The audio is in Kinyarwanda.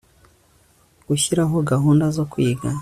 gushyiraho gahunda zo kwiga